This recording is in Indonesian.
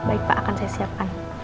baik pak akan saya siapkan